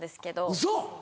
ウソ！